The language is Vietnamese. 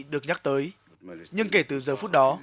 được nhắc tới nhưng kể từ giờ phút đó